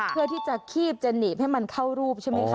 เพื่อที่จะคีบจะหนีบให้มันเข้ารูปใช่ไหมคะ